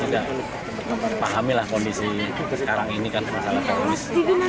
kita juga pahamilah kondisi sekarang ini kan masalah polis